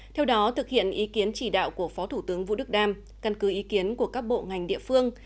theo đó thực hiện ý kiến chỉ đạo của phó thủ tướng vũ đức đam căn cứ ý kiến của các bộ ngành địa phương